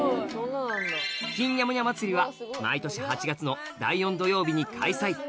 キンニャモニャ祭りは毎年８月の第４土曜日に開催